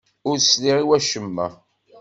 Ur iṣliḥ i wacemma.